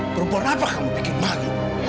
perempuan apa kamu bikin malu